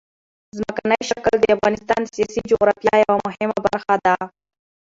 ځمکنی شکل د افغانستان د سیاسي جغرافیه یوه مهمه برخه ده.